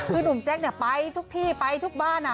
คือหนุ่มแจ๊กไปทุกที่ไปทุกบ้าน